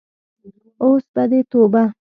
اوس به دې توبه.